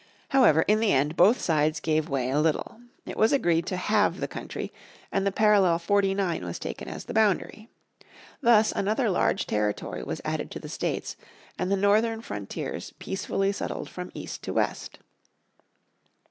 However in the end both sides gave way a little. It was agreed to halve the country, and the parallel 49 was taken as the boundary. Thus another large territory was added to the States and the northern frontiers peacefully settled from east to west.